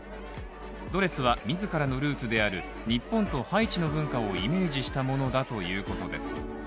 ドレスは自らのルーツである日本とハイチの文化をイメージしたものだということです。